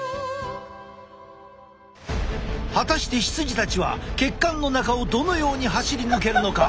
果たして羊たちは血管の中をどのように走り抜けるのか？